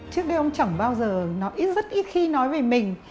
trước đây ông chẳng bao giờ nói ít rất ít khi nói về mình